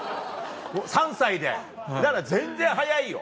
３歳でだから全然早いよ。